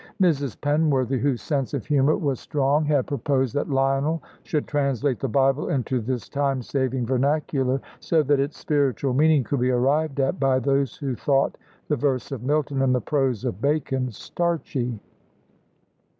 Mrs. Penworthy, whose sense of humour was strong, had proposed that Lionel should translate the Bible into this time saving vernacular, so that its spiritual meaning could be arrived at by those who thought the verse of Milton and the prose of Bacon starchy.